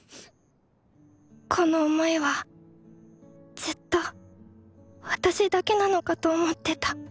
この想いはずっと私だけなのかと思ってた。